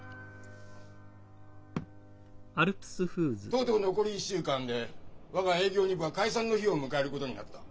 とうとう残り１週間で我が営業２部は解散の日を迎えることになった。